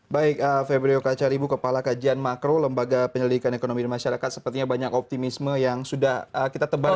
baik febrio kacaribu kepala kajian makro lembaga penyelidikan ekonomi dan masyarakat sepertinya banyak optimisme yang sudah kita tebal